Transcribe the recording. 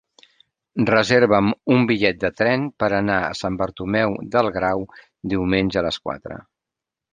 Reserva'm un bitllet de tren per anar a Sant Bartomeu del Grau diumenge a les quatre.